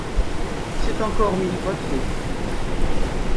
C'est encore mille fois trop.